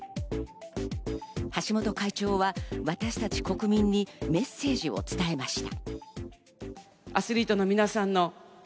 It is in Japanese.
橋本会長は私たち国民にメッセージを伝えました。